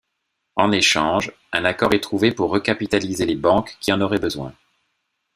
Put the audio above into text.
En échange, un accord est trouvé pour recapitaliser les banques qui en auraient besoin.